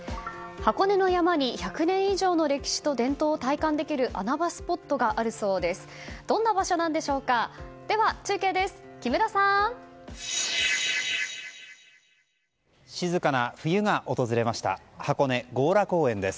箱根の山に１００年以上の歴史と伝統を体感できる穴場スポットがあるそうです。